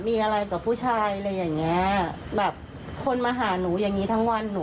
มันไม่ปลอดภัยสำหรับหนู